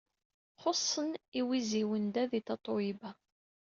Xuṣṣen yiwiziwen da di tatoeba.